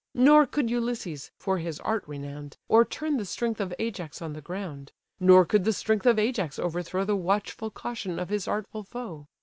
Nor could Ulysses, for his art renown'd, O'erturn the strength of Ajax on the ground; Nor could the strength of Ajax overthrow The watchful caution of his artful foe.